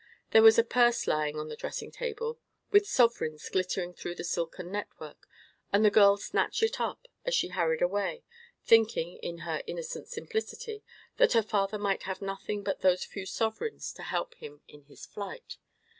There was a purse lying on a dressing table, with sovereigns glittering through the silken network, and the girl snatched it up as she hurried away, thinking, in her innocent simplicity, that her father might have nothing but those few sovereigns to help him in his flight.